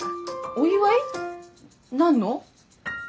お祝い？何の？